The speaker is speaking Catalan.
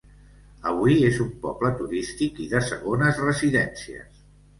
Avui és un poble turístic i de segones residències.